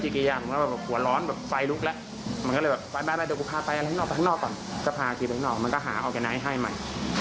ก็พาอันตรายข้างนอกมันก็หาออร์แกนไนซ์ให้ใหม่